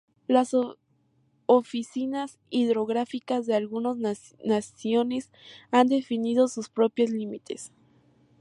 Las oficinas hidrográficas de algunas naciones han definido sus propios límites.